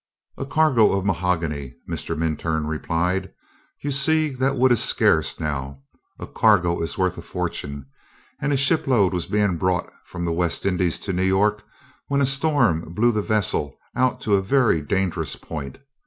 "A cargo of mahogany," Mr. Minturn replied. "You see, that wood is scarce now, a cargo is worth a fortune, and a shipload was being brought from the West Indies to New York when a storm blew the vessel out to a very dangerous point.